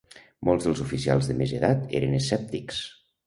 Molts dels oficials de més edat eren escèptics.